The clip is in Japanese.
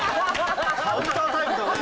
・カウンタータイプだね・